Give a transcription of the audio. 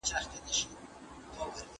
ټولنپوهنه د انسانانو ترمنځ اړیکې سپړي.